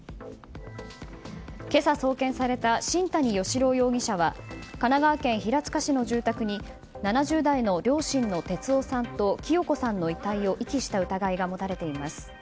今朝送検された新谷嘉朗容疑者は神奈川県平塚市の住宅に７０代の両親の哲男さんと清子さんの遺体を遺棄した疑いが持たれています。